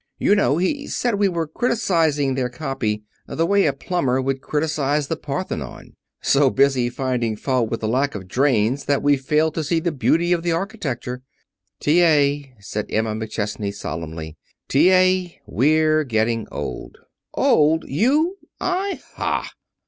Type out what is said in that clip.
You know he said we were criticising their copy the way a plumber would criticise the Parthenon so busy finding fault with the lack of drains that we failed to see the beauty of the architecture." "T.A.," said Emma McChesney solemnly, "T.A., we're getting old." "Old! You! I! Ha!"